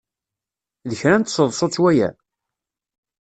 D kra n tseḍsut waya?